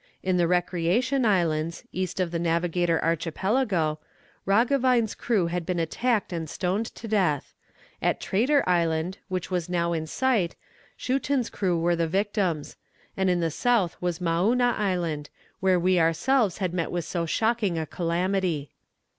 In the Recreation Islands, east of the Navigator Archipelago, Roggewein's crew had been attacked and stoned to death; at Traitor Island, which was now in sight, Schouten's crew were the victims; and in the south was Maouna Island, where we ourselves had met with so shocking a calamity.